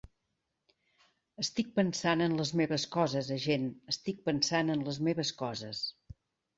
Estic pensant en les meves coses, agent, estic pensant en les meves coses.